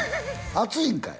暑いんかい！？